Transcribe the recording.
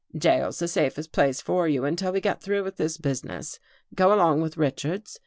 " Jail's the safest place for you until we get through with this business. Go along with Richards.